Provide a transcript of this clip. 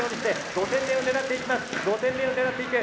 ５点目を狙っていく。